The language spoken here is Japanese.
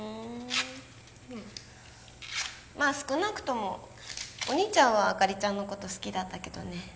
まあ少なくともお兄ちゃんはあかりちゃんのこと好きだったけどね。